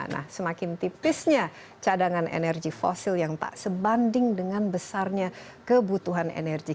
nah semakin tipisnya cadangan energi fosil yang tak sebanding dengan besarnya kebutuhan energi